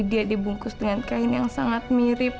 dia dibungkus dengan kain yang sangat mirip